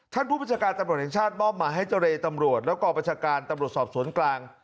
ผู้บัญชาการตำรวจแห่งชาติมอบมาให้เจรตำรวจและกองประชาการตำรวจสอบสวนกลาง